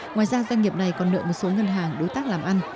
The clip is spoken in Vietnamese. ngoài ra doanh nghiệp này còn nợ một số ngân hàng đối tác làm ăn